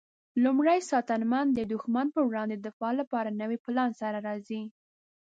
لومړی ساتنمن د دښمن پر وړاندې د دفاع لپاره د نوي پلان سره راځي.